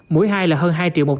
mũi hai là hơn hai một trăm linh